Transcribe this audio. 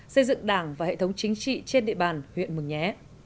xây dựng đảng và hệ thống chính trị trên địa bàn huyện mường nhé